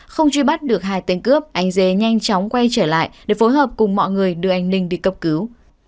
không truy bắt được hai tên cướp anh dê nhanh chóng quay trở lại để phối hợp cùng mọi người đưa anh ninh đi cấp cứu